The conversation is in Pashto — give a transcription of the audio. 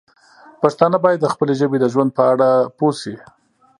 پښتانه باید د خپلې ژبې د ژوند په اړه پوه شي.